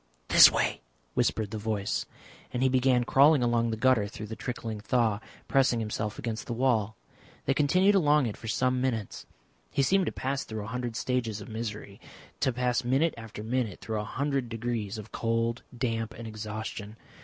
"This way," whispered the voice, and he began crawling along the gutter through the trickling thaw, pressing himself against the wall. They continued along it for some minutes. He seemed to pass through a hundred stages of misery, to pass minute after minute through a hundred degrees of cold, damp, and exhaustion.